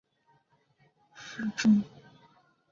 下齐梅尔恩是德国图林根州的一个市镇。